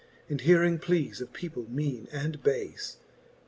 And hearing pleas of people, meane and bafe.